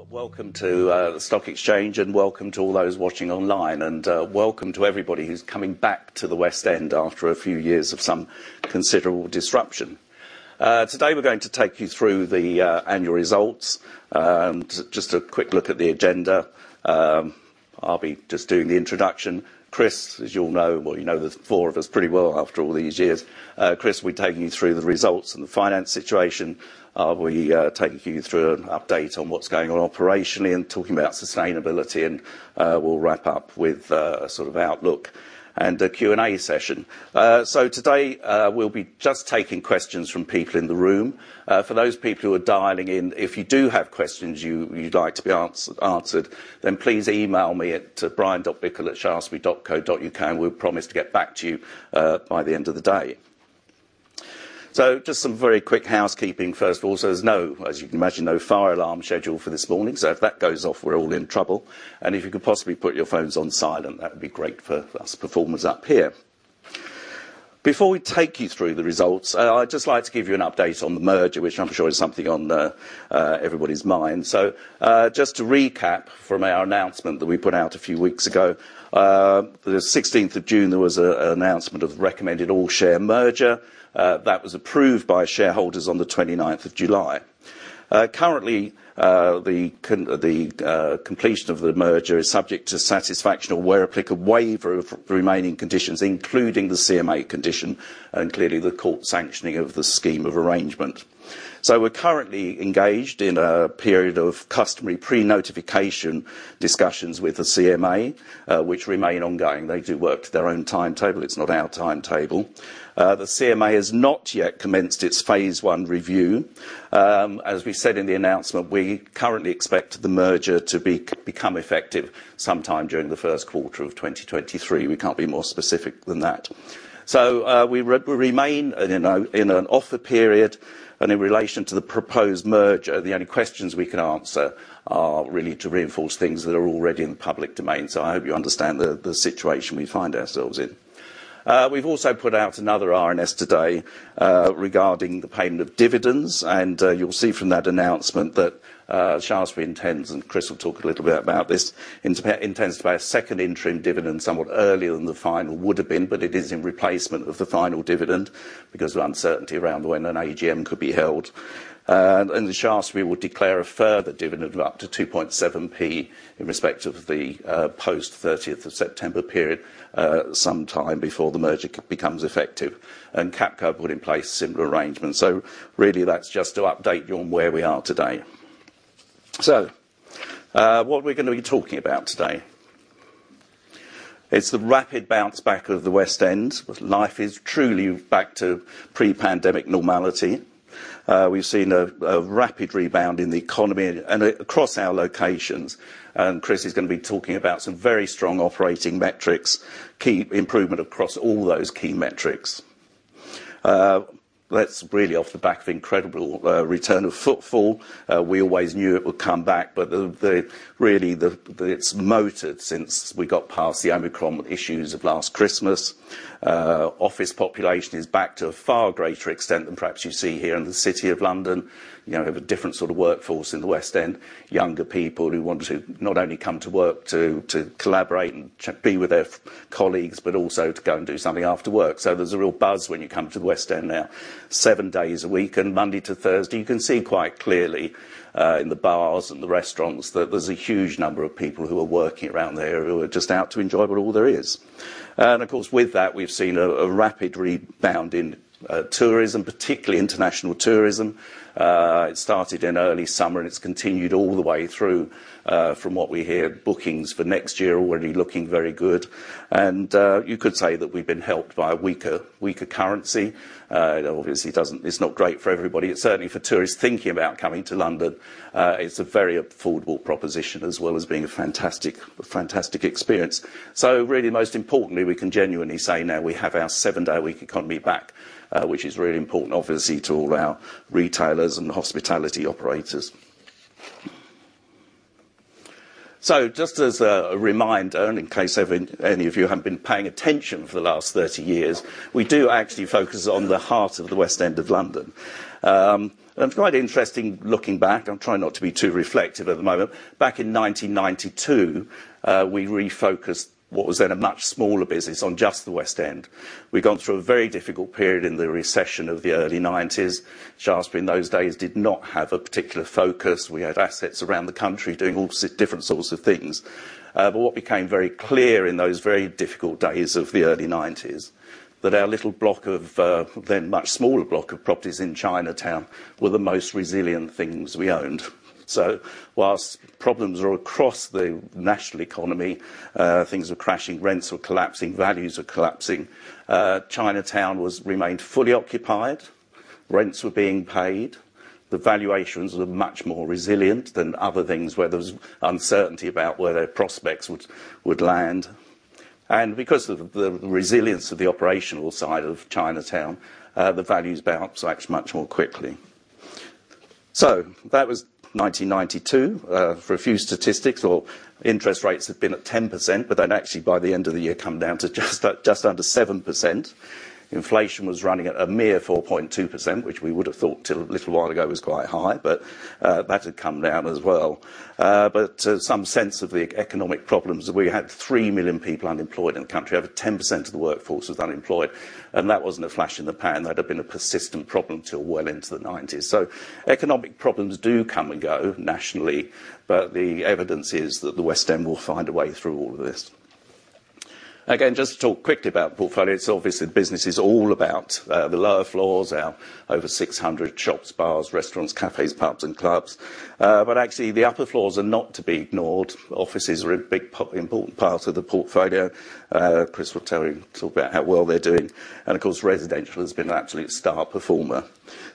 Well, welcome to the stock exchange and welcome to all those watching online. Welcome to everybody who's coming back to the West End after a few years of some considerable disruption. Today we're going to take you through the annual results. Just a quick look at the agenda. I'll be just doing the introduction. Chris, as you all know, well, you know the four of us pretty well after all these years. Chris will be taking you through the results and the finance situation. We'll be taking you through an update on what's going on operationally and talking about sustainability and we'll wrap up with a sort of outlook and a Q&A session. Today, we'll be just taking questions from people in the room. For those people who are dialing in, if you do have questions you'd like to be answered, please email me at brian.bickell@shaftesbury.co.uk, we promise to get back to you by the end of the day. Just some very quick housekeeping first of all. There's no, as you can imagine, no fire alarm scheduled for this morning, so if that goes off, we're all in trouble. If you could possibly put your phones on silent, that'd be great for us performers up here. Before we take you through the results, I'd just like to give you an update on the merger, which I'm sure is something on everybody's mind. Just to recap from our announcement that we put out a few weeks ago, the 16th of June, there was an announcement of recommended all share merger. That was approved by shareholders on the 29 July. Currently, the completion of the merger is subject to satisfaction or where applicable, waiver of the remaining conditions, including the CMA condition and clearly the court sanctioning of the scheme of arrangement. We're currently engaged in a period of customary pre-notification discussions with the CMA, which remain ongoing. They do work to their own timetable, it's not our timetable. The CMA has not yet commenced its phase I review. As we said in the announcement, we currently expect the merger to become effective sometime during the first quarter of 2023. We can't be more specific than that. We remain, you know, in an offer period and in relation to the proposed merger, the only questions we can answer are really to reinforce things that are already in the public domain. I hope you understand the situation we find ourselves in. We've also put out another RNS today regarding the payment of dividends. You'll see from that announcement that Shaftesbury intends and Chris will talk a little bit about this, to pay a second interim dividend somewhat earlier than the final would have been but it is in replacement of the final dividend because of the uncertainty around when an AGM could be held. The Shaftesbury will declare a further dividend of up to 0.027 in respect of the post-thirtieth of September period, sometime before the merger becomes effective and Capco will put in place similar arrangements. Really that's just to update you on where we are today. What we're gonna be talking about today. It's the rapid bounce back of the West End. Life is truly back to pre-pandemic normality. We've seen a rapid rebound in the economy and across our locations and Chris is gonna be talking about some very strong operating metrics, key improvement across all those key metrics. That's really off the back of incredible return of footfall. We always knew it would come back, but really the, it's motored since we got past the Omicron issues of last Christmas. Office population is back to a far greater extent than perhaps you see here in the City of London. You know, have a different sort of workforce in the West End, younger people who want to not only come to work to collaborate and be with their colleagues, but also to go and do something after work. There's a real buzz when you come to the West End now, seven days a week and Monday to Thursday, you can see quite clearly in the bars and the restaurants that there's a huge number of people who are working around the area who are just out to enjoy what all there is. Of course, with that, we've seen a rapid rebound in tourism, particularly international tourism. It started in early summer, it's continued all the way through, from what we hear bookings for next year already looking very good. You could say that we've been helped by a weaker currency. Obviously, it's not great for everybody. It's certainly for tourists thinking about coming to London, it's a very affordable proposition, as well as being a fantastic experience. Most importantly, we can genuinely say now we have our seven-day-a-week economy back, which is really important obviously to all our retailers and hospitality operators. Just as a reminder, in case of any of you haven't been paying attention for the last 30 years, we do actually focus on the heart of the West End of London. It's quite interesting looking back. I'm trying not to be too reflective at the moment. Back in 1992, we refocused what was then a much smaller business on just the West End. We'd gone through a very difficult period in the recession of the early nineties. Shaftesbury in those days did not have a particular focus. We had assets around the country doing different sorts of things. What became very clear in those very difficult days of the early nineties, that our little block of, then much smaller block of properties in Chinatown were the most resilient things we owned. Whilst problems were across the national economy, things were crashing, rents were collapsing, values were collapsing, Chinatown was remained fully occupied, rents were being paid, the valuations were much more resilient than other things where there was uncertainty about where their prospects would land. Because of the resilience of the operational side of Chinatown, the values bounced back much more quickly. That was 1992, for a few statistics or interest rates have been at 10%, but then actually by the end of the year, come down to just under 7%. Inflation was running at a mere 4.2%, which we would have thought till a little while ago was quite high, but that had come down as well. Some sense of the economic problems, we had 3 million people unemployed in the country. Over 10% of the workforce was unemployed and that wasn't a flash in the pan. That had been a persistent problem till well into the 1990s. Economic problems do come and go nationally, but the evidence is that the West End will find a way through all of this. Again, just to talk quickly about portfolio, it's obvious that business is all about the lower floors, our over 600 shops, bars, restaurants, cafes, pubs and clubs. Actually the upper floors are not to be ignored. Offices are a big part, important part of the portfolio. Chris will tell you, talk about how well they're doing. Of course, residential has been an absolute star performer.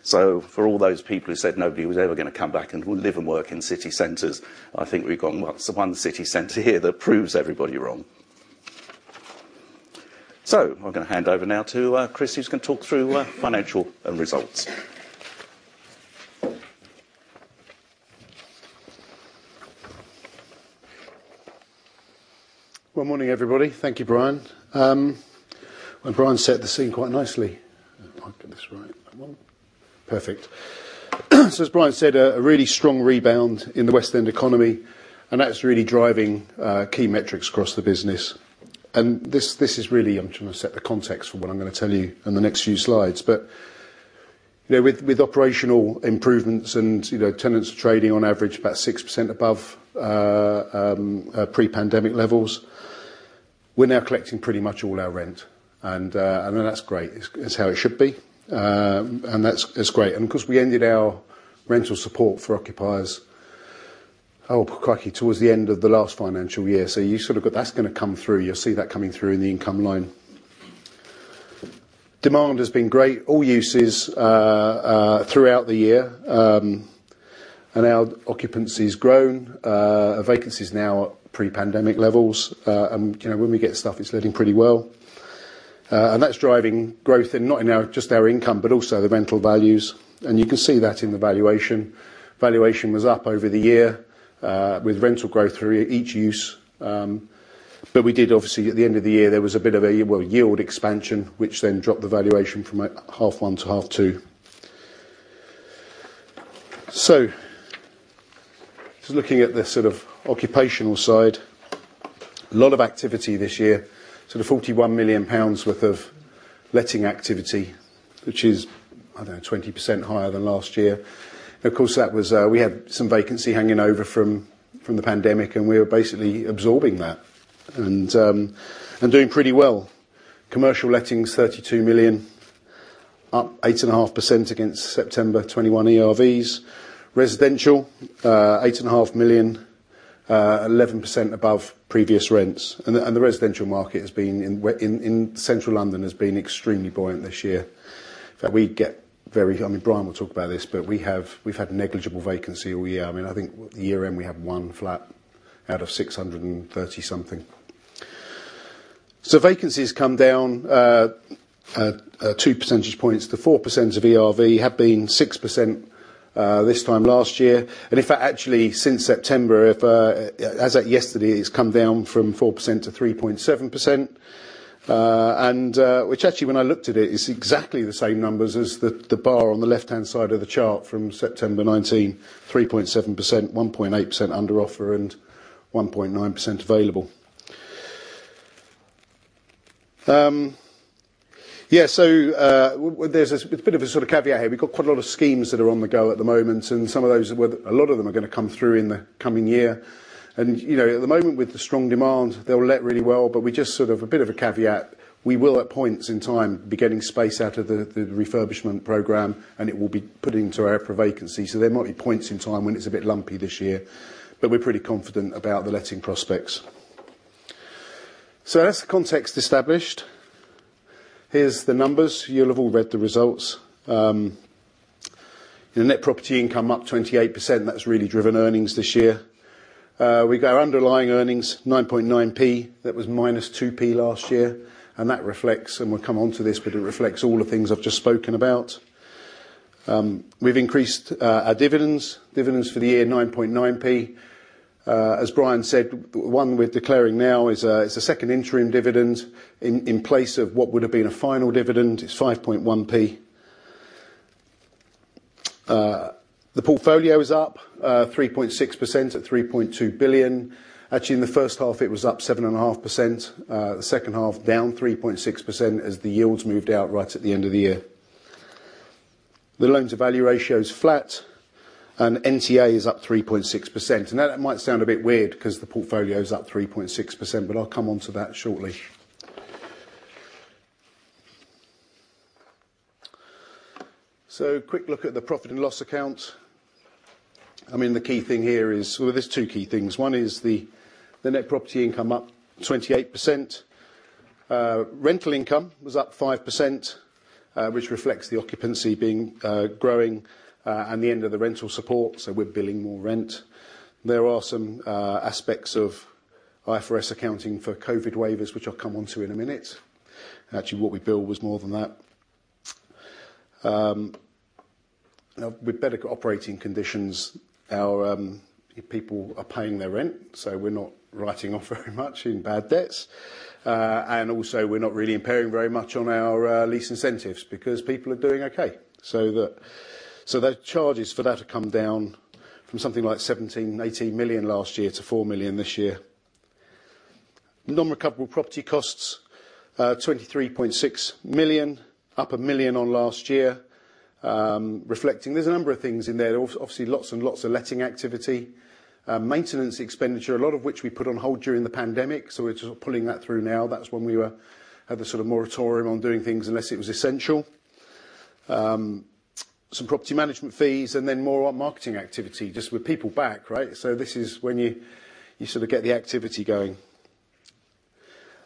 For all those people who said nobody was ever going to come back and live and work in city centers, I think we've got, well the one city center here that proves everybody wrong. I'm going to hand over now to Chris, who's going to talk through financial and results. Morning, everybody. Thank you, Brian. Brian set the scene quite nicely. If I can get this right. Perfect. As Brian said, a really strong rebound in the West End economy and that's really driving key metrics across the business. This is really, I'm trying to set the context for what I'm gonna tell you in the next few slides. You know, with operational improvements and, you know, tenants trading on average about 6% above pre-pandemic levels, we're now collecting pretty much all our rent and that's great. It's how it should be. It's great. Of course, we ended our rental support for occupiers, oh, crikey, towards the end of the last financial year. That's gonna come through. You'll see that coming through in the income line. Demand has been great, all uses, throughout the year and our occupancy has grown. Vacancy is now at pre-pandemic levels. And, you know, when we get stuff, it's letting pretty well. And that's driving growth in not in our, just our income, but also the rental values and you can see that in the valuation. Valuation was up over the year, with rental growth through each use, but we did obviously, at the end of the year, there was a bit of a, well, yield expansion, which then dropped the valuation from half one to half two. Just looking at the sort of occupational side. A lot of activity this year. Sort of 41 million pounds worth of letting activity, which is, I don't know, 20% higher than last year. Of course, that was, we had some vacancy hanging over from the pandemic and we were basically absorbing that and doing pretty well. Commercial lettings, 32 million, up 8.5% against September 2021 ERVs. Residential, 8.5 million, 11% above previous rents. The residential market has been in Central London, has been extremely buoyant this year. I mean, Brian will talk about this, but we have, we've had negligible vacancy all year. I mean, I think year-end, we have 1 flat out of 630 something. Vacancy has come down 2 percentage points to 4% of ERV, had been 6% this time last year. In fact, actually, since September, if, as at yesterday, it's come down from 4% to 3.7%. Which actually, when I looked at it, is exactly the same numbers as the bar on the left-hand side of the chart from September 2019, 3.7%, 1.8% under offer and 1.9% available. There's this bit of a sort of caveat here. We've got quite a lot of schemes that are on the go at the moment and some of those, well, a lot of them are gonna come through in the coming year. You know, at the moment, with the strong demand, they'll let really well, but we just sort of a bit of a caveat. We will, at points in time, be getting space out of the refurbishment program and it will be put into our vacancy. There might be points in time when it's a bit lumpy this year, but we're pretty confident about the letting prospects. That's the context established. Here's the numbers. You'll have all read the results. The net property income up 28%. That's really driven earnings this year. We got underlying earnings, GBP 9.9p. That was -GBP 2p last year and that reflects and we'll come onto this, but it reflects all the things I've just spoken about. We've increased our dividends. Dividends for the year, GBP 9.9p. As Brian said, one we're declaring now is it's a second interim dividend in place of what would have been a final dividend. It's 0.051. The portfolio is up 3.6% at 3.2 billion. Actually, in the first half, it was up 7.5%. The second half down 3.6% as the yields moved out right at the end of the year. The loan-to-value ratio is flat and NTA is up 3.6%. I know that might sound a bit weird because the portfolio is up 3.6%, but I'll come onto that shortly. Quick look at the profit and loss account. I mean, the key thing here is. Well, there's two key things. One is the net property income up 28%. Rental income was up 5%, which reflects the occupancy being growing and the end of the rental support, so we're billing more rent. There are some aspects of IFRS accounting for COVID waivers, which I'll come onto in a minute. Actually, what we billed was more than that. With better operating conditions, our people are paying their rent, so we're not writing off very much in bad debts. Also, we're not really impairing very much on our lease incentives because people are doing okay. The charges for that have come down from something like 17 million-18 million last year to 4 million this year. Non-recoverable property costs, 23.6 million, up 1 million on last year. There's a number of things in there. Obviously, lots and lots of letting activity. Maintenance expenditure, a lot of which we put on hold during the pandemic, so we're just pulling that through now. That's when we were had the sort of moratorium on doing things unless it was essential. Some property management fees and then more on marketing activity, just with people back, right? This is when you sort of get the activity going.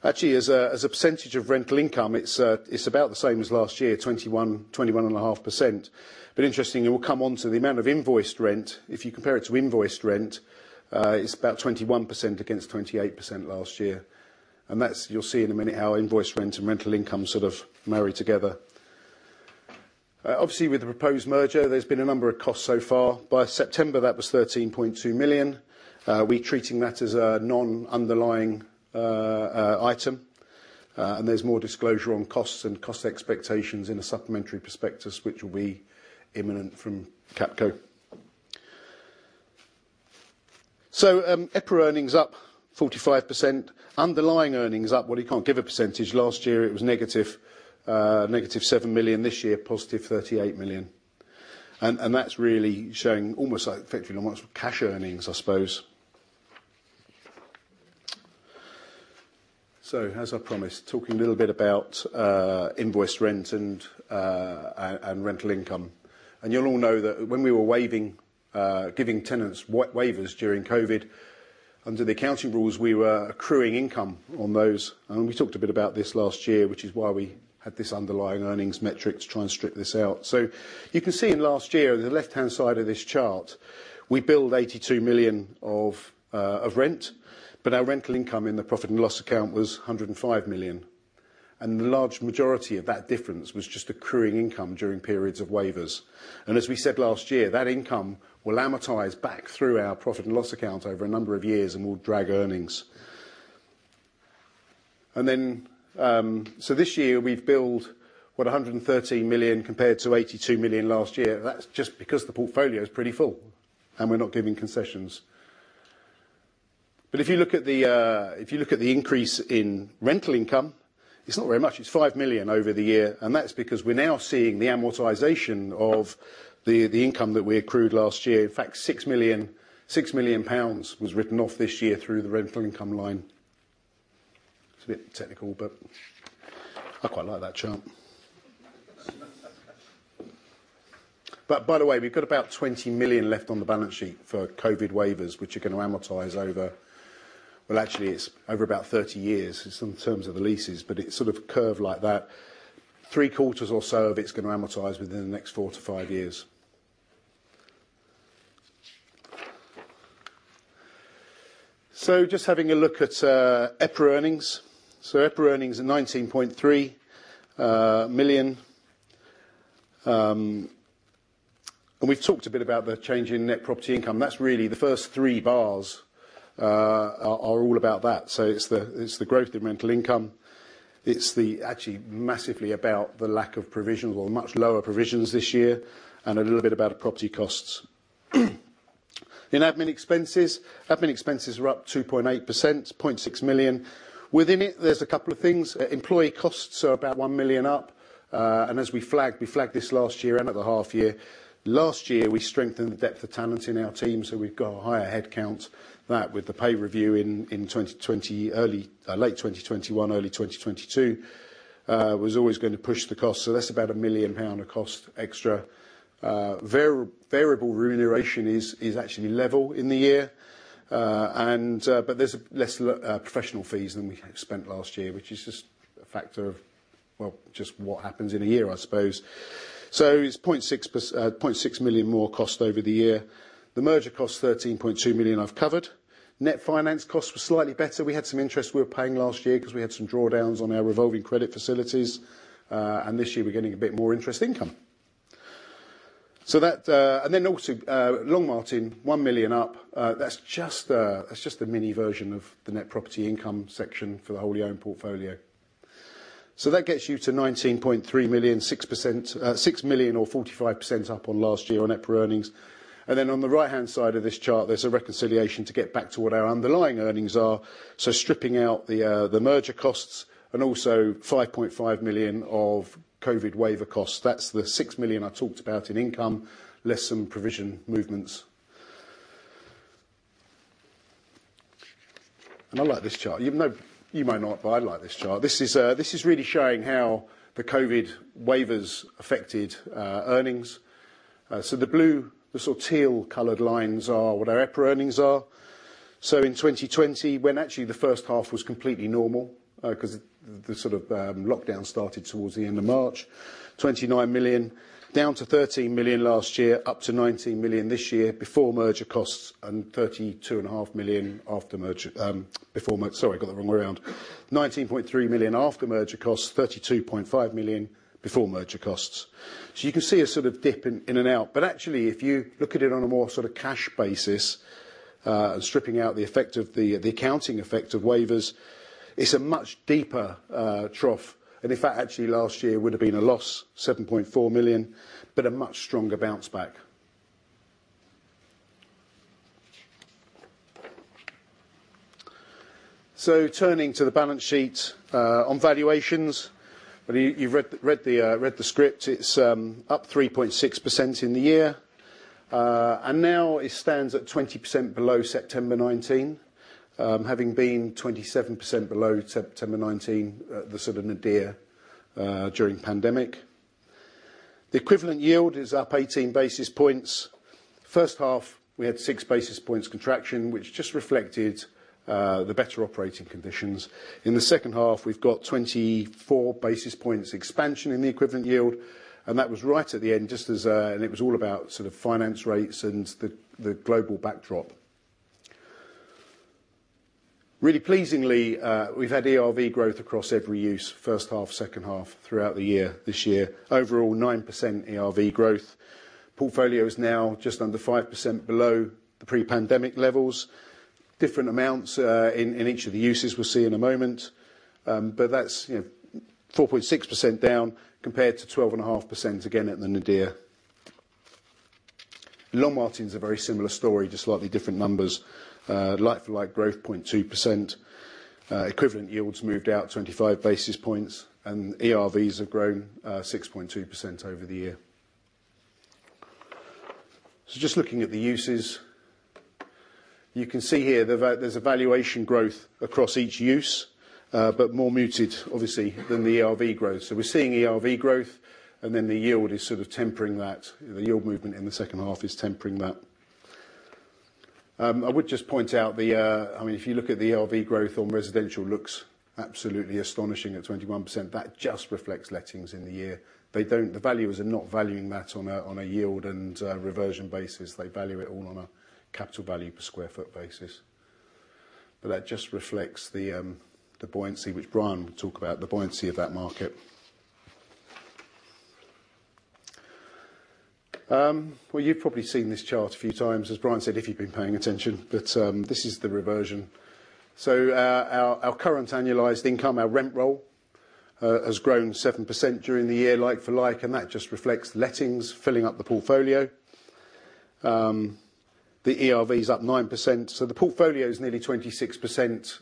Actually, as a percentage of rental income, it's about the same as last year, 21.5%. Interesting, we'll come on to the amount of invoiced rent. If you compare it to invoiced rent, it's about 21% against 28% last year. That's, you'll see in a minute, our invoice rent and rental income sort of marry together. Obviously, with the proposed merger, there's been a number of costs so far. By September, that was 13.2 million. We're treating that as a non-underlying item. There's more disclosure on costs and cost expectations in a supplementary prospectus, which will be imminent from Capco. EPRA earnings up 45%. Underlying earnings up, well you can't give a percentage. Last year, it was negative 7 million. This year, positive 38 million. That's really showing almost like effectively almost cash earnings, I suppose. As I promised, talking a little bit about invoice rent and rental income. You'll all know that when we were waiving, giving tenants waivers during COVID, under the accounting rules, we were accruing income on those. We talked a bit about this last year, which is why we had this underlying earnings metric to try and strip this out. You can see in last year, the left-hand side of this chart, we billed 82 million of rent, but our rental income in the Profit and Loss account was 105 million. The large majority of that difference was just accruing income during periods of waivers. As we said last year, that income will amortize back through our Profit and Loss account over a number of years and will drag earnings. This year, we've billed, what? 113 million compared to 82 million last year. That's just because the portfolio is pretty full and we're not giving concessions. If you look at the, if you look at the increase in rental income, it's not very much. It's 5 million over the year and that's because we're now seeing the amortization of the income that we accrued last year. In fact, 6 million pounds was written off this year through the net property income line. It's a bit technical, I quite like that chart. By the way, we've got about 20 million left on the balance sheet for COVID waivers, which are gonna amortize over, well, actually, it's over about 30 years in terms of the leases, but it's sort of curved like that. Three-quarters or so of it's gonna amortize within the next four-five years. Just having a look at EPRA earnings. EPRA earnings are 19.3 million. We've talked a bit about the change in net property income. That's really the first three bars are all about that. It's the growth in rental income. It's actually massively about the lack of provisions or much lower provisions this year and a little bit about the property costs. In admin expenses, admin expenses are up 2.8%, 0.6 million. Within it, there's a couple of things. Employee costs are about 1 million up. As we flagged this last year and at the half year. Last year, we strengthened the depth of talent in our team, so we've got a higher head count. That with the pay review in 2020, early late 2021, early 2022, was always gonna push the cost. That's about 1 million pound of cost extra. Variable remuneration is actually level in the year. There's less professional fees than we spent last year, which is just a factor of, well, just what happens in a year, I suppose. It's 0.6 million more cost over the year. The merger cost, 13.2 million, I've covered. Net finance costs were slightly better. We had some interest we were paying last year 'cause we had some drawdowns on our revolving credit facilities. This year we're getting a bit more interest income. Longmartin, 1 million up. That's just a mini version of the net property income section for the wholly owned portfolio. That gets you to 19.3 million, 6%, 6 million or 45% up on last year on EPRA earnings. On the right-hand side of this chart, there's a reconciliation to get back to what our underlying earnings are. Stripping out the merger costs and also 5.5 million of COVID waiver costs. That's the 6 million I talked about in income, less some provision movements. I like this chart. Even though you may not, but I like this chart. This is really showing how the COVID waivers affected earnings. The blue, the sort of teal colored lines are what our EPRA earnings are. In 2020, when actually the first half was completely normal, 'cause the sort of, lockdown started towards the end of March, 29 million, down to 13 million last year, up to 19 million this year before merger costs and 32 and a half million after merger. Sorry, got that the wrong way around. 19.3 million after merger costs, 32.5 million before merger costs. You can see a sort of dip in and out. Actually, if you look at it on a more sort of cash basis, stripping out the effect of the accounting effect of waivers, it's a much deeper trough. In fact, actually last year would've been a loss, 7.4 million, but a much stronger bounce back. Turning to the balance sheet, on valuations, you've read the script. It's up 3.6% in the year. Now it stands at 20% below September 2019, having been 27% below September 2019, at the sort of nadir during pandemic. The equivalent yield is up 18 basis points. First half, we had 6 basis points contraction, which just reflected the better operating conditions. In the second half, we've got 24 basis points expansion in the equivalent yield and that was right at the end, just as it was all about sort of finance rates and the global backdrop. Really pleasingly, we've had ERV growth across every use, first half, second half, throughout the year, this year. Overall, 9% ERV growth. Portfolio is now just under 5% below the pre-pandemic levels. Different amounts, in each of the uses we'll see in a moment. That's, you know, 4.6% down compared to 12.5%, again, at the nadir. Longmartin's a very similar story, just slightly different numbers. Like-for-like growth, 0.2%. Equivalent yields moved out 25 basis points and ERVs have grown, 6.2% over the year. Just looking at the uses. You can see here that there's a valuation growth across each use but more muted, obviously than the ERV growth. We're seeing ERV growth and then the yield is sort of tempering that, the yield movement in the second half is tempering that. I would just point out the I mean, if you look at the ERV growth on residential looks absolutely astonishing at 21%. That just reflects lettings in the year. The valuers are not valuing that on a yield and a reversion basis. They value it all on a capital value per sq ft basis. That just reflects the buoyancy which Brian will talk about, the buoyancy of that market. Well, you've probably seen this chart a few times, as Brian said, if you've been paying attention, this is the reversion. Our current annualized income, our rent roll, has grown 7% during the year like for like and that just reflects lettings filling up the portfolio. The ERV's up 9%, the portfolio is nearly 26%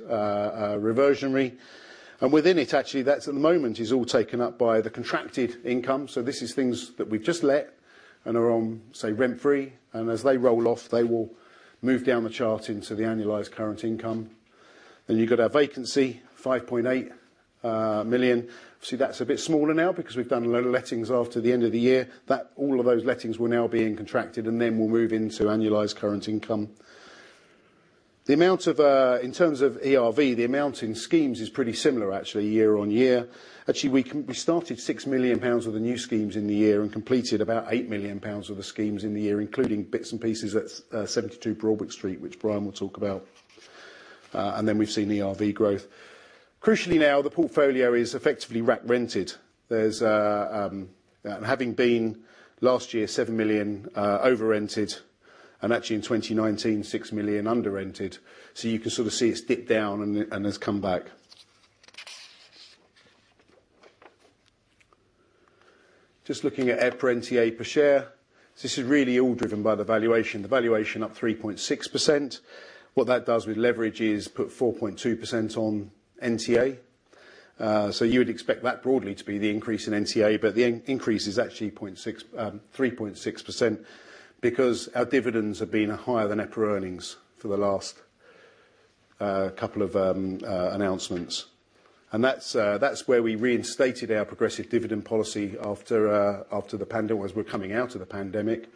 reversionary. Within it, actually, that's at the moment is all taken up by the contracted income. This is things that we've just let and are on, say, rent-free. As they roll off, they will move down the chart into the annualized current income. You've got our vacancy, 5.8 million. Obviously, that's a bit smaller now because we've done a load of lettings after the end of the year. All of those lettings were now being contracted and then we'll move into annualized current income. The amount of in terms of ERV, the amount in schemes is pretty similar actually year on year. Actually, we started 6 million pounds with the new schemes in the year and completed about 8 million pounds worth of schemes in the year, including bits and pieces at 72 Broadwick Street, which Brian will talk about. Then we've seen ERV growth. Crucially now, the portfolio is effectively rat rented. There's and having been last year 7 million over-rented and actually in 2019 6 million under-rented. You can sort of see it's dipped down and has come back. Just looking at EPRA NTA per share. This is really all driven by the valuation. The valuation up 3.6%. What that does with leverage is put 4.2% on NTA. You would expect that broadly to be the increase in NTA, but the increase is actually 0.6, 3.6% because our dividends have been higher than EPRA earnings for the last couple of announcements. That's where we reinstated our progressive dividend policy after as we're coming out of the pandemic,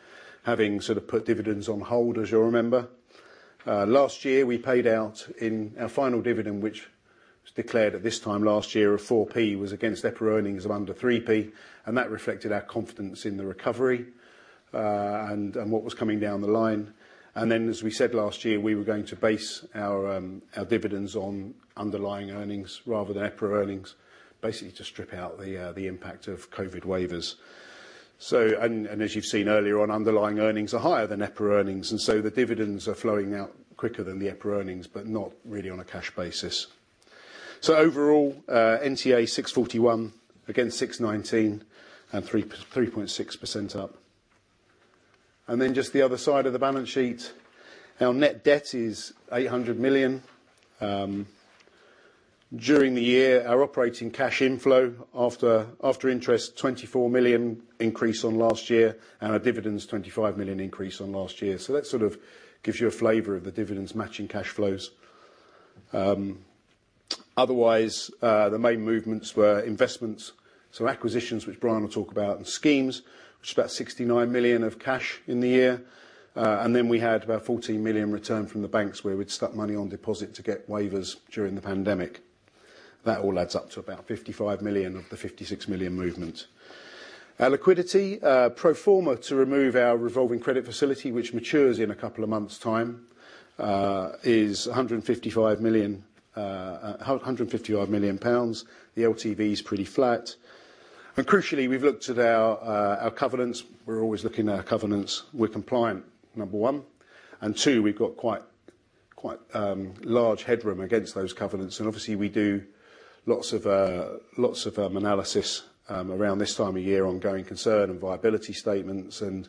having sort of put dividends on hold, as you'll remember. Last year, we paid out in our final dividend, which was declared at this time last year of 4p was against EPRA earnings of under 3p and that reflected our confidence in the recovery and what was coming down the line. As we said last year, we were going to base our dividends on underlying earnings rather than EPRA earnings, basically to strip out the impact of COVID waivers. As you've seen earlier on, underlying earnings are higher than EPRA earnings, the dividends are flowing out quicker than the EPRA earnings, but not really on a cash basis. Overall, NTA 641 against 619 and 3.6% up. Just the other side of the balance sheet, our net debt is 800 million. During the year, our operating cash inflow after interest, 24 million increase on last year and our dividends, 25 million increase on last year. That sort of gives you a flavor of the dividends matching cash flows. Otherwise, the main movements were investments. Some acquisitions, which Brian will talk about and schemes. Which is about 69 million of cash in the year. Then we had about 14 million return from the banks where we'd stuck money on deposit to get waivers during the pandemic. That all adds up to about 55 million of the 56 million movement. Our liquidity, pro forma to remove our revolving credit facility, which matures in a couple of months' time, is 155 million, 150-odd million pounds. The LTV is pretty flat. Crucially, we've looked at our covenants, we're always looking at our covenants. We're compliant, number one. Two, we've got quite large headroom against those covenants. Obviously, we do lots of analysis around this time of year on going concern and viability statements and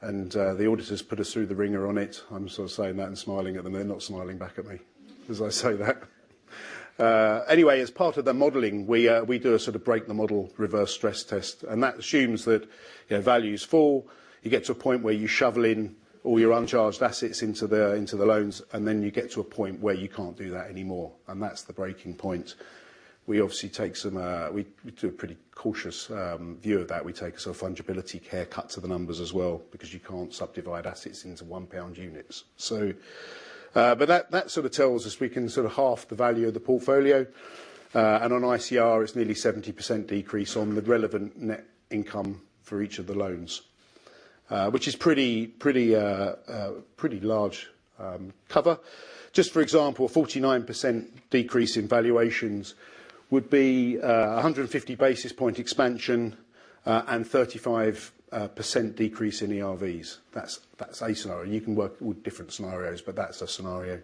the auditors put us through the wringer on it. I'm sort of saying that and smiling at them. They're not smiling back at me as I say that. Anyway, as part of their modeling, we do a sort of break the model reverse stress test. That assumes that, you know, values fall, you get to a point where you shovel in all your uncharged assets into the loans and then you get to a point where you can't do that anymore and that's the breaking point. We do a pretty cautious view of that. We take sort of fungibility care cut to the numbers as well, because you can't subdivide assets into 1 pound units. But that sort of tells us we can sort of half the value of the portfolio. And on ICR, it's nearly 70% decrease on the relevant net income for each of the loans. Which is pretty large cover. Just for example, 49% decrease in valuations would be 150 basis point expansion and 35% decrease in ERVs. That's, that's a scenario. You can work with different scenarios, but that's a scenario.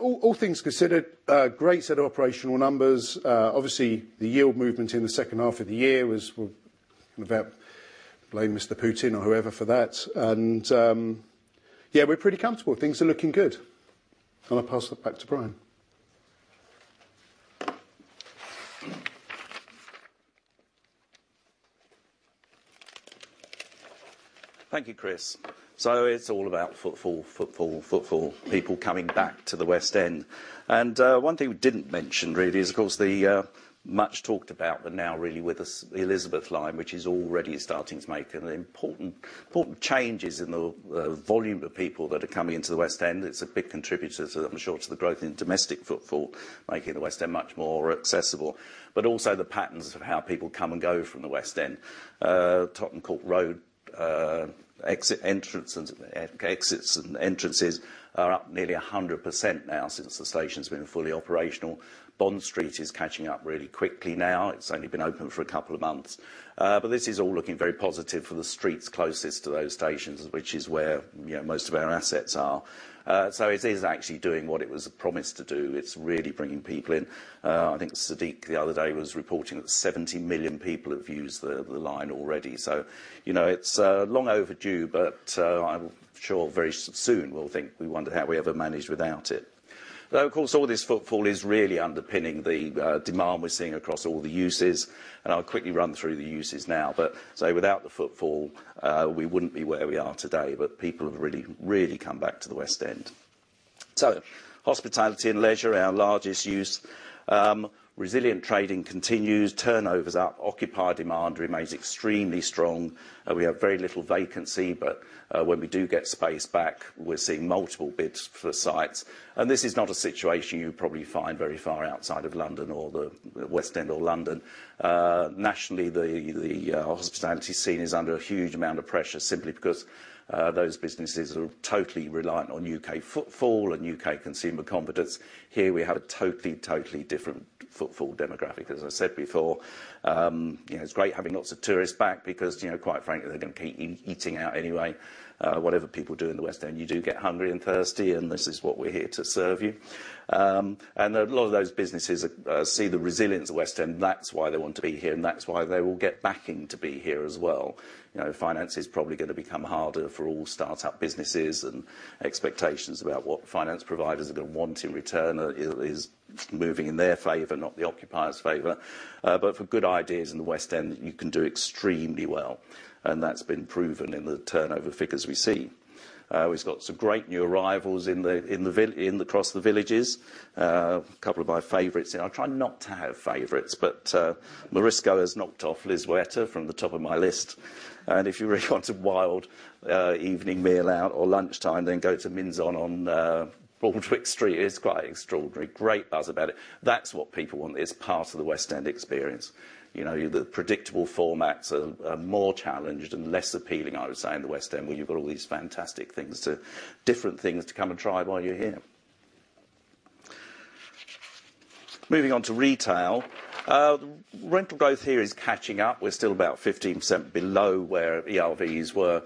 All things considered, a great set of operational numbers. Obviously, the yield movement in the second half of the year was, kind of about blame Mr. Putin or whoever for that. Yeah, we're pretty comfortable. Things are looking good. I'll pass it back to Brian. Thank you, Chris. It's all about footfall, footfall, people coming back to the West End. One thing we didn't mention really is, of course, the much talked about, the now really with us, the Elizabeth line, which is already starting to make an important changes in the volume of people that are coming into the West End. It's a big contributor to, I'm sure, to the growth in domestic footfall, making the West End much more accessible. Also the patterns of how people come and go from the West End. Tottenham Court Road exit, entrance and, exits and entrances are up nearly 100% now since the station's been fully operational. Bond Street is catching up really quickly now. It's only been open for a couple of months. This is all looking very positive for the streets closest to those stations, which is where, you know, most of our assets are. It is actually doing what it was promised to do. It's really bringing people in. I think Sadiq the other day was reporting that 70 million people have used the line already. You know, it's long overdue, but I'm sure very soon we'll think, we wonder how we ever managed without it. Of course, all this footfall is really underpinning the demand we're seeing across all the uses and I'll quickly run through the uses now. Say, without the footfall, we wouldn't be where we are today, but people have really come back to the West End. Hospitality and leisure, our largest use. Resilient trading continues, turnover's up, occupier demand remains extremely strong and we have very little vacancy, but when we do get space back, we're seeing multiple bids for sites. This is not a situation you probably find very far outside of London or the West End or London. Nationally, the hospitality scene is under a huge amount of pressure simply because those businesses are totally reliant on U.K. footfall and U.K. consumer confidence. Here we have a totally different footfall demographic, as I said before. You know, it's great having lots of tourists back because, you know, quite frankly, they're gonna keep eating out anyway. Whatever people do in the West End, you do get hungry and thirsty and this is what we're here to serve you. A lot of those businesses see the resilience of West End. That's why they want to be here and that's why they will get backing to be here as well. You know, finance is probably gonna become harder for all start-up businesses and expectations about what finance providers are gonna want in return is moving in their favor, not the occupier's favor. For good ideas in the West End, you can do extremely well and that's been proven in the turnover figures we see. We've got some great new arrivals in across the villages. A couple of my favorites and I try not to have favorites, but Morisco has knocked off Lisboeta from the top of my list. If you really want a wild evening meal out or lunchtime, then go to Miznon on Broadwick Street. It's quite extraordinary. Great buzz about it. That's what people want. It's part of the West End experience. You know, the predictable formats are more challenged and less appealing, I would say, in the West End, where you've got all these fantastic things to, different things to come and try while you're here. Moving on to retail. Rental growth here is catching up. We're still about 15% below where ERVs were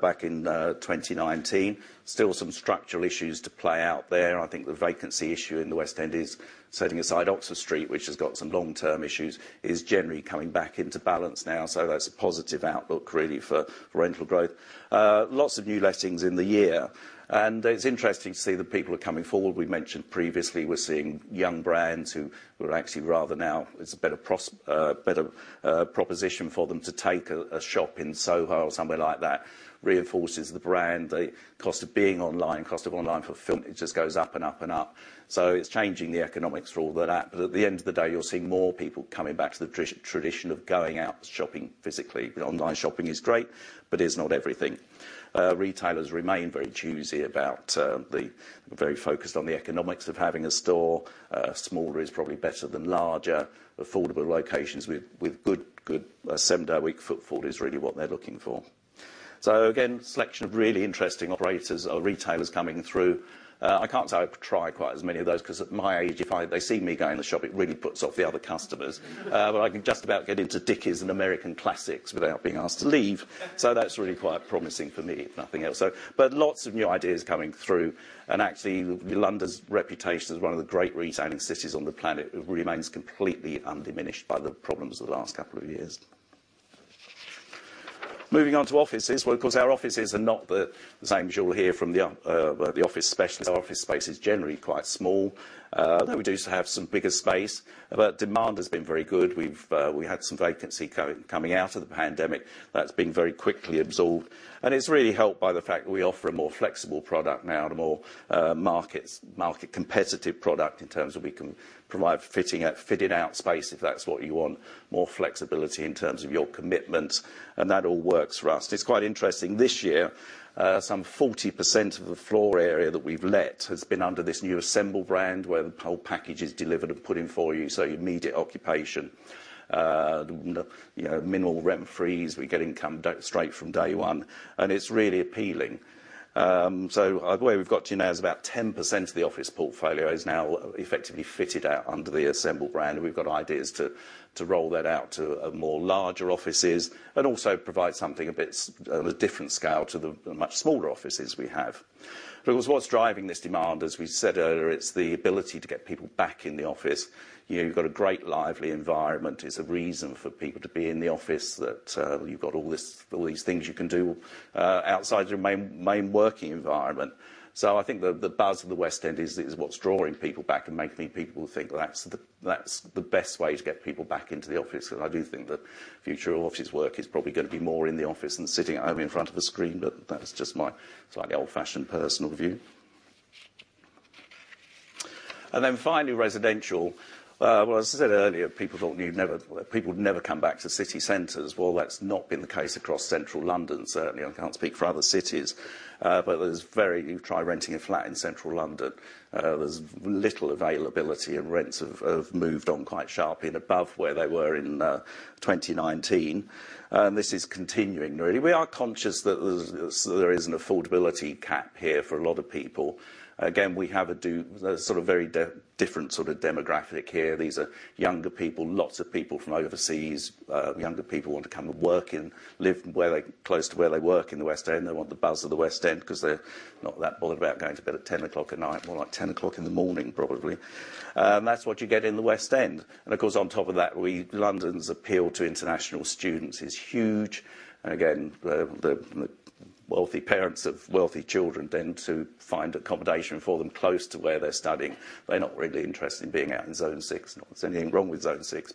back in 2019. Still some structural issues to play out there. I think the vacancy issue in the West End is setting aside Oxford Street, which has got some long-term issues, is generally coming back into balance now. That's a positive outlook really for rental growth. Lots of new lettings in the year. It's interesting to see that people are coming forward. We mentioned previously we're seeing young brands who are actually rather now, it's a better proposition for them to take a shop in Soho or somewhere like that. Reinforces the brand. Cost of being online, cost of online fulfilment just goes up and up and up. It's changing the economics for all that. At the end of the day, you're seeing more people coming back to the tradition of going out shopping physically. You know, online shopping is great, but it's not everything. Retailers remain very choosy about very focused on the economics of having a store. Smaller is probably better than larger. Affordable locations with good seven-day-a-week footfall is really what they're looking for. Again, selection of really interesting operators or retailers coming through. I can't say I try quite as many of those, 'cause at my age, if they see me go in the shop, it really puts off the other customers. I can just about get into Dickies and American Classics without being asked to leave. That's really quite promising for me, if nothing else. Lots of new ideas coming through and actually, London's reputation as one of the great retailing cities on the planet remains completely undiminished by the problems of the last couple of years. Moving on to offices. Well, of course our offices are not the same as you'll hear from the office specialists. Our office space is generally quite small. Though we do still have some bigger space. Demand has been very good. We've had some vacancy coming out of the pandemic. That's been very quickly absorbed. It's really helped by the fact that we offer a more flexible product now, the more market competitive product in terms of we can provide fitting out, fitted out space if that's what you want, more flexibility in terms of your commitment. That all works for us. It's quite interesting. This year, some 40% of the floor area that we've let has been under this new Assemble brand, where the whole package is delivered and put in for you. Immediate occupation. The, you know, minimal rent freeze. We get income straight from day one. It's really appealing. Where we've got to now is about 10% of the office portfolio is now effectively fitted out under the Assemble brand. We've got ideas to roll that out to more larger offices and also provide something a bit on a different scale to the much smaller offices we have. Of course, what's driving this demand, as we said earlier, it's the ability to get people back in the office. You know, you've got a great lively environment as a reason for people to be in the office, that you've got all this, all these things you can do outside your main working environment. I think the buzz of the West End is what's drawing people back and making people think that's the best way to get people back into the office, 'cause I do think the future of office work is probably gonna be more in the office than sitting at home in front of a screen but that's just my slightly old-fashioned personal view. Finally, residential. As I said earlier, people thought you'd never, people would never come back to city centers. That's not been the case across Central London. Certainly, I can't speak for other cities. You try renting a flat in Central London. There's little availability and rents have moved on quite sharply and above where they were in 2019. This is continuing, really. We are conscious that there is an affordability cap here for a lot of people. Again, we have a sort of very different sort of demographic here. These are younger people, lots of people from overseas. Younger people want to come and work and live where they close to where they work in the West End. They want the buzz of the West End, 'cause they're not that bothered about going to bed at 10 o'clock at night, more like 10:00 A.M. in the morning, probably. That's what you get in the West End. Of course, on top of that, London's appeal to international students is huge. Again, the wealthy parents of wealthy children tend to find accommodation for them close to where they're studying. They're not really interested in being out in Zone 6. Not that there's anything wrong with zone six,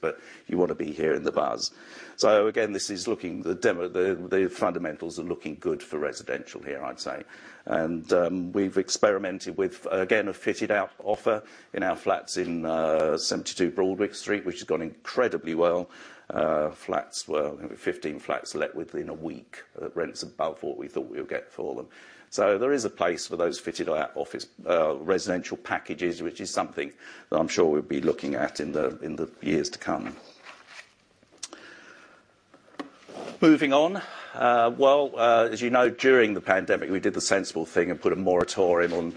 you wanna be here in the buzz. Again, this is looking, the fundamentals are looking good for residential here, I'd say. We've experimented with, again, a fitted out offer in our flats in 72 Broadwick Street, which has gone incredibly well. Flats were, I think it was 15 flats let within a week at rents above what we thought we would get for them. There is a place for those fitted out office, residential packages, which is something that I'm sure we'll be looking at in the years to come. Moving on. Well, as you know, during the pandemic, we did the sensible thing and put a moratorium on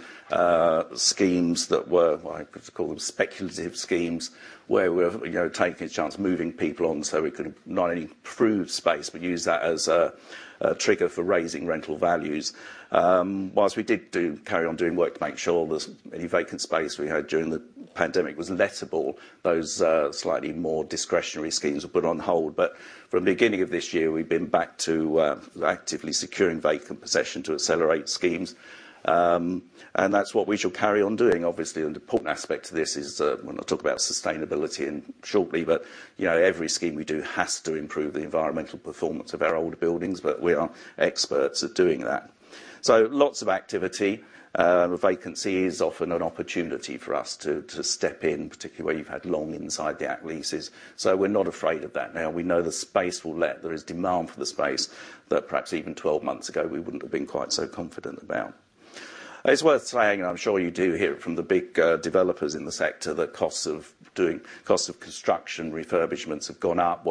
schemes that were, well, I call them speculative schemes, where we were, you know, taking a chance, moving people on, so we could not only improve space, but use that as a trigger for raising rental values. Whilst we did do, carry on doing work to make sure there's any vacant space we had during the pandemic was lettable, those slightly more discretionary schemes were put on hold. From the beginning of this year, we've been back to actively securing vacant possession to accelerate schemes. That's what we shall carry on doing, obviously. The important aspect to this is, when I talk about sustainability and shortly, but, you know, every scheme we do has to improve the environmental performance of our older buildings, but we are experts at doing that. Lots of activity. Vacancy is often an opportunity for us to step in, particularly where you've had long inside the Act leases. We're not afraid of that. Now we know the space will let, there is demand for the space that perhaps even 12 months ago we wouldn't have been quite so confident about. It's worth saying and I'm sure you do hear it from the big developers in the sector, that costs of construction refurbishments have gone up.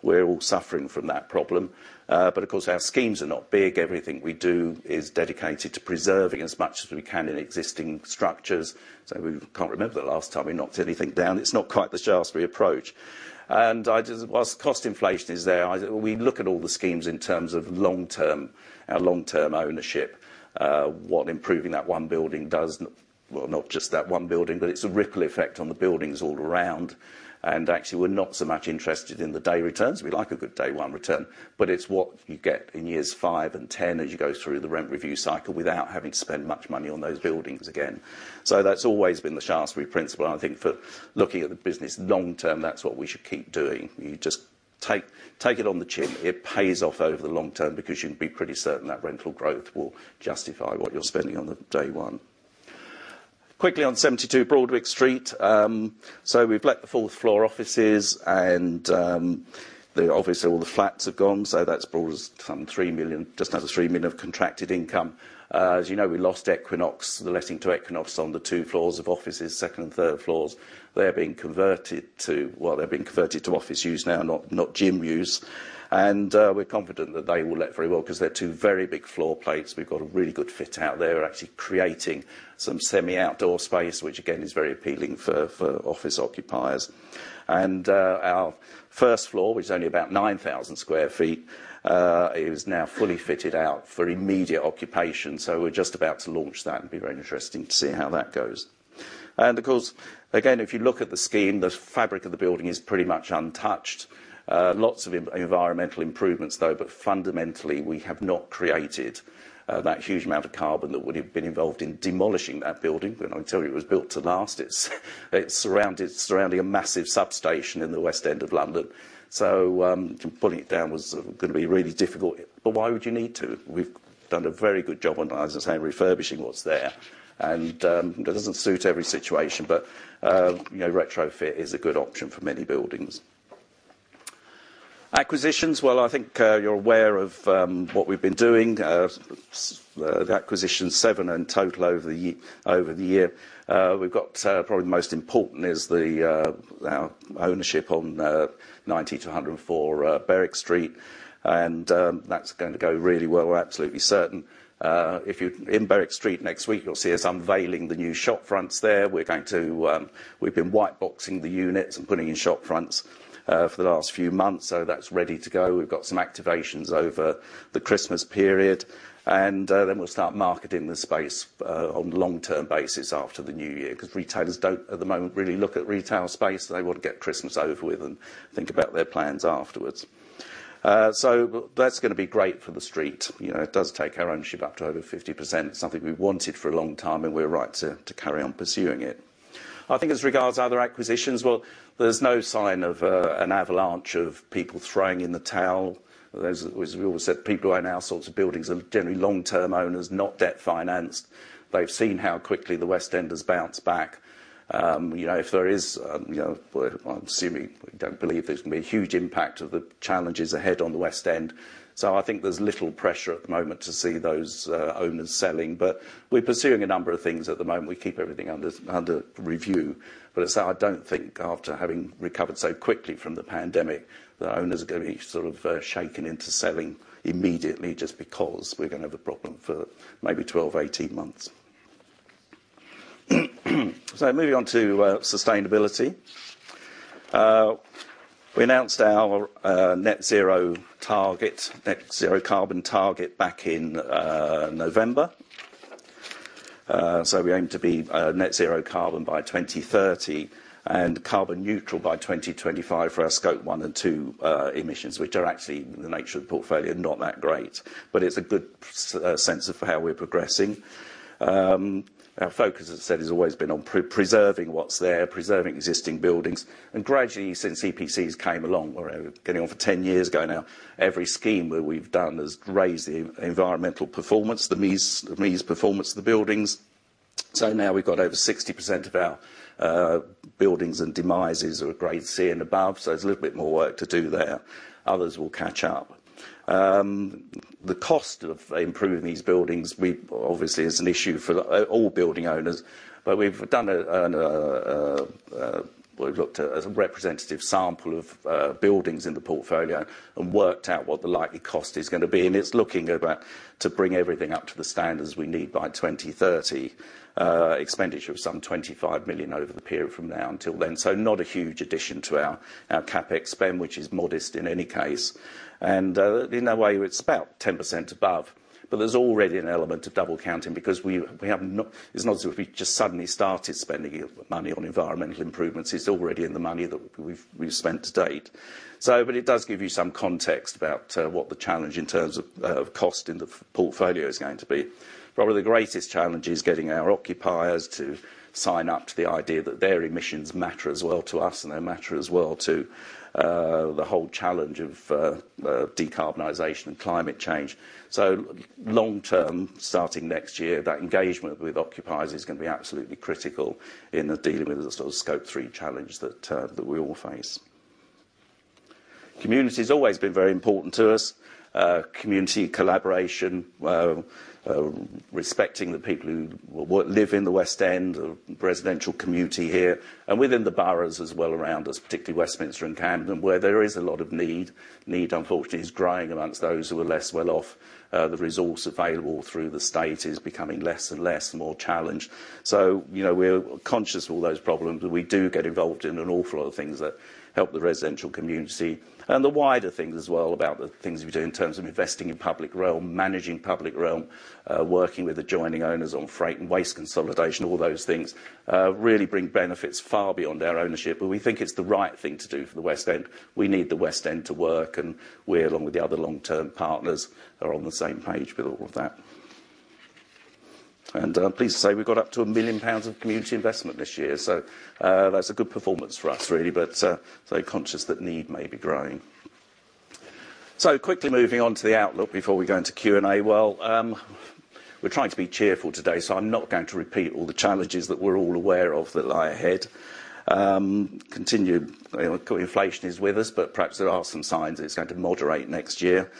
We're all suffering from that problem. Of course, our schemes are not big. Everything we do is dedicated to preserving as much as we can in existing structures. We can't remember the last time we knocked anything down. It's not quite the Shaftesbury approach. I just, whilst cost inflation is there, I, we look at all the schemes in terms of long term, our long term ownership, what improving that one building does. Well, not just that one building, but it's a ripple effect on the buildings all around. Actually, we're not so much interested in the day returns. We like a good day one return, but it's what you get in years five and 10 as you go through the rent review cycle without having to spend much money on those buildings again. That's always been the Shaftesbury principle and I think for looking at the business long term, that's what we should keep doing. You just take it on the chin. It pays off over the long term because you can be pretty certain that rental growth will justify what you're spending on the day one. Quickly on 72 Broadwick Street, we've let the fourth floor offices and obviously all the flats have gone, that's brought us some 3 million, just under 3 million of contracted income. As you know, we lost Equinox, the letting to Equinox on the two floors of offices, second and third floors. Well, they're being converted to office use now, not gym use. We're confident that they will let very well because they're two very big floor plates. We've got a really good fit out there. We're actually creating some semi-outdoor space, which again, is very appealing for office occupiers. Our first floor, which is only about 9,000 sq ft, is now fully fitted out for immediate occupation. We're just about to launch that and be very interesting to see how that goes. Of course, again, if you look at the scheme, the fabric of the building is pretty much untouched. Lots of environmental improvements, though, but fundamentally, we have not created that huge amount of carbon that would have been involved in demolishing that building. I can tell you it was built to last. It's surrounding a massive substation in the West End of London. Pulling it down was gonna be really difficult. Why would you need to? We've done a very good job on, as I say, refurbishing what's there. That doesn't suit every situation, but you know, retrofit is a good option for many buildings. Acquisitions, well, I think you're aware of what we've been doing. The acquisition seven in total over the year. We've got, probably the most important is the, our ownership on 90 to 104 Berwick Street and that's going to go really well. We're absolutely certain. If you're in Berwick Street next week, you'll see us unveiling the new shop fronts there. We've been white boxing the units and putting in shop fronts for the last few months, so that's ready to go. We've got some activations over the Christmas period and then we'll start marketing the space on long-term basis after the new year, because retailers don't at the moment really look at retail space. They want to get Christmas over with and think about their plans afterwards. That's gonna be great for the street. You know, it does take our ownership up to over 50%, something we wanted for a long time and we're right to carry on pursuing it. I think as regards other acquisitions, well, there's no sign of an avalanche of people throwing in the towel. As we always said, people who own our sorts of buildings are generally long-term owners, not debt-financed. They've seen how quickly the West End has bounced back. You know, if there is, you know, I'm assuming, we don't believe there's gonna be a huge impact of the challenges ahead on the West End. I think there's little pressure at the moment to see those owners selling, but we're pursuing a number of things at the moment. We keep everything under review. As I say, I don't think after having recovered so quickly from the pandemic, the owners are gonna be shaken into selling immediately just because we're gonna have a problem for maybe 12, 18 months. Moving on to sustainability. We announced our net zero target, net zero carbon target back in November. We aim to be net zero carbon by 2030 and carbon neutral by 2025 for our scope one and two emissions, which are actually the nature of the portfolio, not that great. It's a good sense of how we're progressing. Our focus, as I said, has always been on preserving what's there, preserving existing buildings. Gradually, since EPCs came along, we're getting on for 10 years ago now, every scheme that we've done has raised the environmental performance, the MEES performance of the buildings. Now we've got over 60% of our buildings and demises are grade C and above, so there's a little bit more work to do there. Others will catch up. The cost of improving these buildings, obviously is an issue for all building owners. We've done a, well, looked at a representative sample of buildings in the portfolio and worked out what the likely cost is gonna be. It's looking about to bring everything up to the standards we need by 2030, expenditure of some 25 million over the period from now until then. Not a huge addition to our CapEx spend, which is modest in any case. In a way, it's about 10% above. There's already an element of double counting because we have not. It's not as if we just suddenly started spending money on environmental improvements. It's already in the money that we've spent to date. It does give you some context about what the challenge in terms of cost in the portfolio is going to be. Probably the greatest challenge is getting our occupiers to sign up to the idea that their emissions matter as well to us and they matter as well to the whole challenge of decarbonization and climate change. Long term, starting next year, that engagement with occupiers is gonna be absolutely critical in dealing with the sort of Scope three challenge that we all face. Community's always been very important to us. Community collaboration, respecting the people who live in the West End, residential community here and within the boroughs as well around us, particularly Westminster and Camden, where there is a lot of need. Need, unfortunately, is growing amongst those who are less well off. The resource available through the state is becoming less and less, more challenged. You know, we're conscious of all those problems and we do get involved in an awful lot of things that help the residential community and the wider things as well about the things we do in terms of investing in public realm, managing public realm, working with adjoining owners on freight and waste consolidation, all those things really bring benefits far beyond our ownership. We think it's the right thing to do for the West End. We need the West End to work and we, along with the other long-term partners, are on the same page with all of that. I'm pleased to say we got up to 1 million pounds of community investment this year. That's a good performance for us, really. Very conscious that need may be growing. Quickly moving on to the outlook before we go into Q&A. Well, we're trying to be cheerful today. I'm not going to repeat all the challenges that we're all aware of that lie ahead. You know, inflation is with us. Perhaps there are some signs it's going to moderate next year.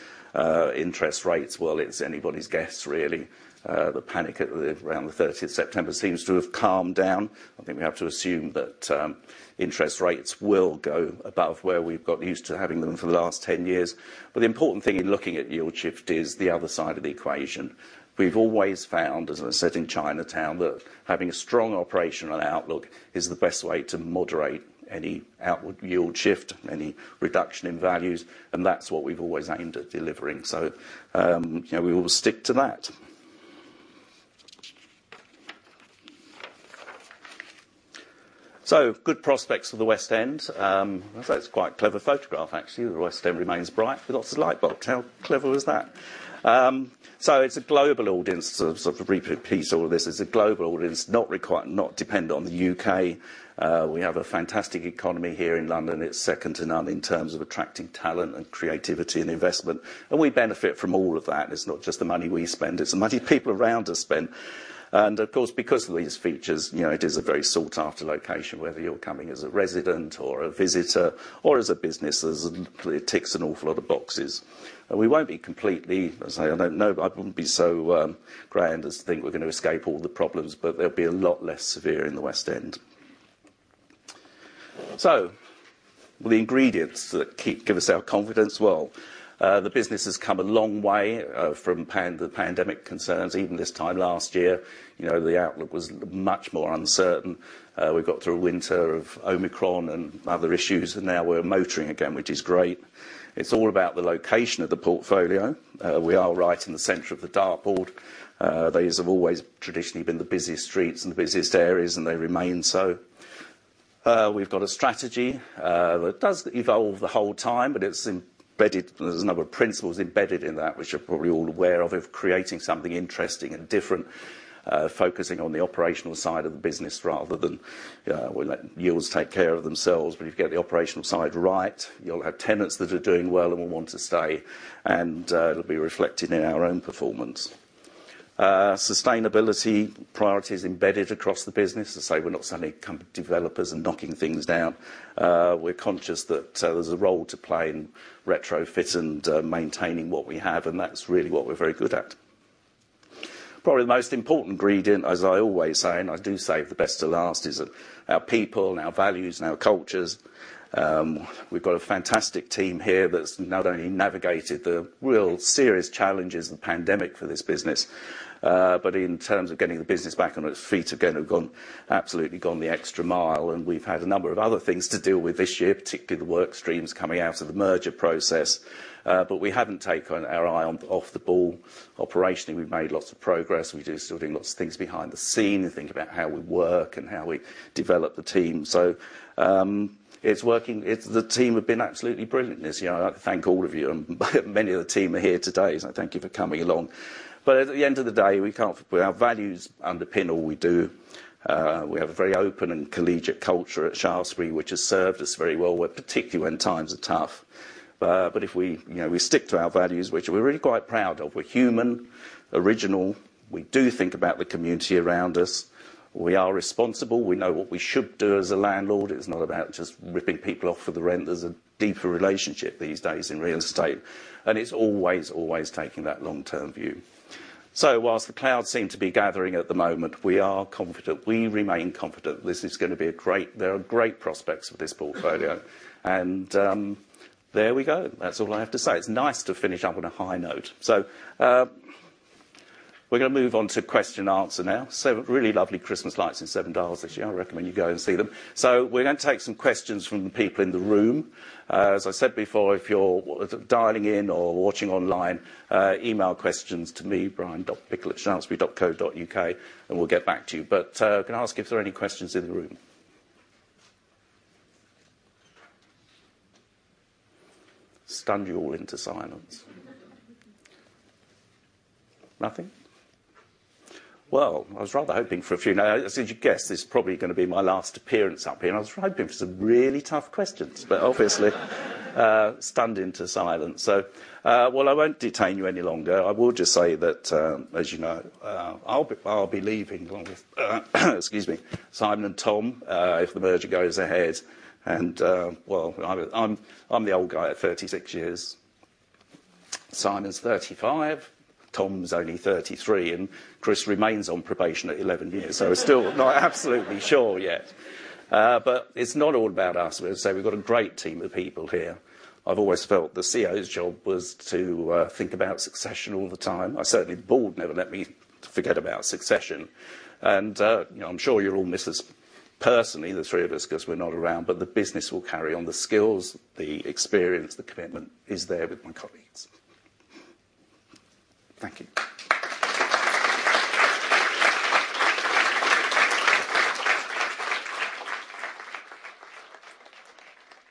Interest rates, well, it's anybody's guess really. The panic around the 30 September seems to have calmed down. I think we have to assume that interest rates will go above where we've got used to having them for the last 10 years. The important thing in looking at yield shift is the other side of the equation. We've always found, as I said in Chinatown, that having a strong operational outlook is the best way to moderate any outward yield shift, any reduction in values and that's what we've always aimed at delivering. You know, we will stick to that. Good prospects for the West End. That's quite clever photograph actually. The West End remains bright with lots of light bulbs. How clever is that? It's a global audience, not require, not dependent on the U.K.. We have a fantastic economy here in London. It's second to none in terms of attracting talent and creativity and investment. We benefit from all of that. It's not just the money we spend, it's the money people around us spend. Of course, because of these features, you know, it is a very sought-after location, whether you're coming as a resident or a visitor or as a business, as it ticks an awful lot of boxes. We won't be completely, as I say, I don't know, but I wouldn't be so grand as to think we're going to escape all the problems, but they'll be a lot less severe in the West End. The ingredients that give us our confidence. The business has come a long way from the pandemic concerns. Even this time last year, you know, the outlook was much more uncertain. We got through a winter of Omicron and other issues and now we're motoring again, which is great. It's all about the location of the portfolio. We are right in the center of the dartboard. These have always traditionally been the busiest streets and the busiest areas and they remain so. We've got a strategy that does evolve the whole time, but it's embedded. There's a number of principles embedded in that, which you're probably all aware of creating something interesting and different, focusing on the operational side of the business rather than, well, let yields take care of themselves. When you get the operational side right, you'll have tenants that are doing well and will want to stay and, it'll be reflected in our own performance. Sustainability priorities embedded across the business. As I say, we're not suddenly company developers and knocking things down. We're conscious that there's a role to play in retrofit and, maintaining what we have and that's really what we're very good at. Probably the most important ingredient, as I always say and I do save the best 'til last, is that our people and our values and our cultures. We've got a fantastic team here that's not only navigated the real serious challenges of the pandemic for this business, but in terms of getting the business back on its feet again, have absolutely gone the extra mile. We've had a number of other things to deal with this year, particularly the work streams coming out of the merger process. We haven't taken our eye off the ball. Operationally, we've made lots of progress. We do certain lots of things behind the scene and think about how we work and how we develop the team. It's working. It's the team have been absolutely brilliant this year. I'd like to thank all of you. Many of the team are here today, thank you for coming along. At the end of the day, our values underpin all we do. We have a very open and collegiate culture at Shaftesbury, which has served us very well, where particularly when times are tough. If we, you know, we stick to our values, which we're really quite proud of. We're human, original. We do think about the community around us. We are responsible. We know what we should do as a landlord. It's not about just ripping people off for the rent. There's a deeper relationship these days in real estate and it's always taking that long-term view. Whilst the clouds seem to be gathering at the moment, we are confident, we remain confident. There are great prospects for this portfolio. There we go. That's all I have to say. It's nice to finish up on a high note. we're gonna move on to question and answer now. really lovely Christmas lights in Seven Dials this year. I recommend you go and see them. we're gonna take some questions from the people in the room. as I said before, if you're dialing in or watching online, email questions to me, brian.bickell@shaftesbury.co.uk and we'll get back to you. Can I ask if there are any questions in the room? Stunned you all into silence. Nothing? Well, I was rather hoping for a few. Now, as you'd guess, this is probably gonna be my last appearance up here. I was hoping for some really tough questions. Stunned into silence. Well, I won't detain you any longer. I will just say that, as you know, I'll be leaving along with, excuse me, Simon and Tom, if the merger goes ahead. Well, I'm the old guy at 36 years. Simon's 35, Tom's only 33 and Chris remains on probation at 11 years. We're still not absolutely sure yet. It's not all about us. We say we've got a great team of people here. I've always felt the CEO's job was to think about succession all the time. Certainly board never let me forget about succession. You know, I'm sure you'll all miss us personally, the three of us 'cause we're not around. The business will carry on. The skills, the experience, the commitment is there with my colleagues. Thank you.